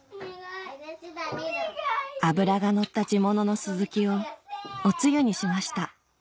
脂がのった地物のスズキをおつゆにしました